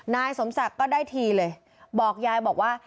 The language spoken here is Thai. นายสมศักดิ์ก็ได้ทีเลยบอกยายบอกว่า